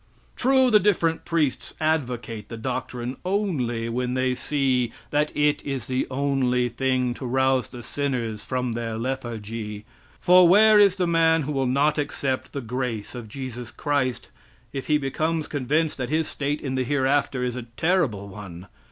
True, the different priests advocate the doctrine, only when they see that it is the only thing to rouse the sinners from their lethargy; for where is the man who will not accept the grace of Jesus Christ, if he becomes convinced that his state in the hereafter is a terrible one!